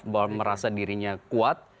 bahwa merasa dirinya kuat